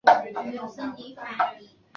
堂真理子是日本朝日电视台播报员。